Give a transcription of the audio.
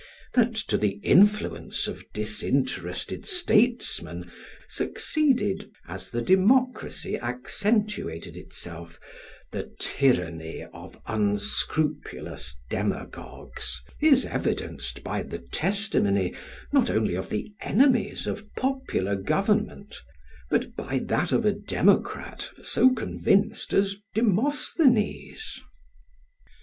That to the influence of disinterested statesmen succeeded, as the democracy accentuated itself, the tyranny of unscrupulous demagogues, is evidenced by the testimony, not only of the enemies of popular government, but by that of a democrat so convinced as Demosthenes.